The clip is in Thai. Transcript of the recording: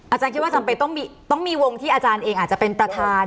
อาจารย์คิดว่าจำเป็นต้องมีวงที่อาจารย์เองอาจจะเป็นประธาน